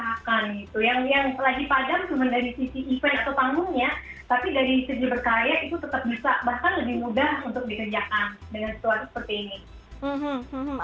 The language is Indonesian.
bahkan lebih mudah untuk dikerjakan dengan situasi seperti ini